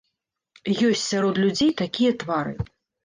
Ёсць сярод людзей такія твары.